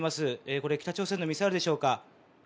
これ北朝鮮のミサイルでしょうか。